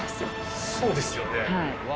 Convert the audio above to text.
そうですよね。